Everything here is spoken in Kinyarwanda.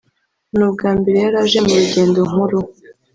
ni ubwa mbere yari aje mu rugendo nk’uru